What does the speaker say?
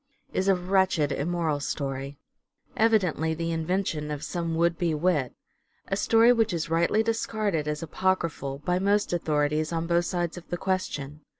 is a wretched immoral story ; evidently the invention of some would be wit : a story which is rightly dis carded, as apocryphal, by most authorities on both sides of the question.